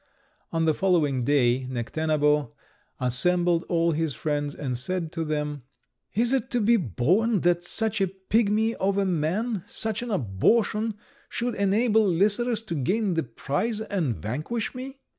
On the following day Necténabo assembled all his friends, and said to them, "Is it to be borne that such a pigmy of a man, such an abortion, should enable Lycerus to gain the prize and vanquish me?"